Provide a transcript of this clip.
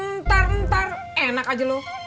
ntar ntar enak aja loh